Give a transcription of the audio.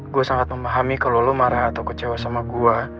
gue sangat memahami kalau lo marah atau kecewa sama gue